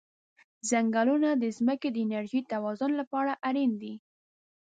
ځنګلونه د ځمکې د انرژی توازن لپاره اړین دي.